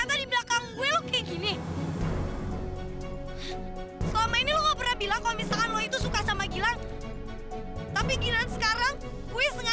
sampai jumpa di video selanjutnya